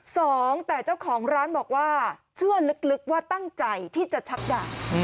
สองแต่เจ้าของร้านบอกว่าเชื่อลึกว่าตั้งใจที่จะชักด่า